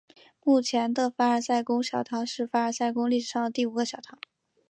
目前的凡尔赛宫小堂是凡尔赛宫历史上的第五个小堂。